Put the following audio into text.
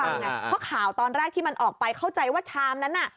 เพราะข่าวตอนแรกที่มันออกไปเข้าใจว่าชามนั้นน่ะ